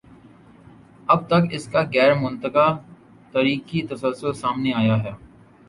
اب تک اس کا غیر منقطع تاریخی تسلسل سامنے آیا ہے۔